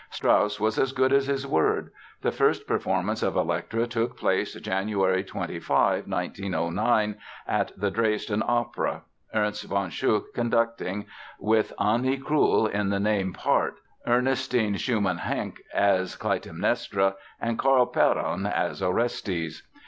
Strauss was as good as his word. The first performance of Elektra took place January 25, 1909, at the Dresden opera, Ernst von Schuch conducting, with Anni Krull in the name part, Ernestine Schumann Heink as Klytemnestra and Carl Perron as Orestes.